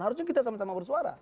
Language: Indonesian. harusnya kita sama sama bersuara